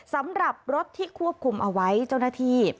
สำหรับรถที่ควบคุมเอาไว้เจ้าหน้าที่